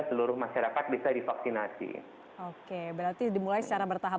seluruh masyarakat bisa divaksinasi oke berarti dimulai secara bertahap